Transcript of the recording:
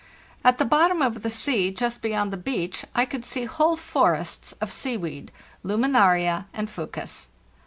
At the bottom of the sea just beyond the beach I could see whole forests of seaweed (Laminaria and Fucus).